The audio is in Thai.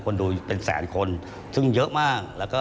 คนดูเป็นแสนคนซึ่งเยอะมาก